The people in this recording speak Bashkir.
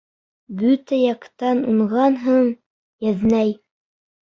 Бөтә яҡтан уңғанһың, еҙнәй!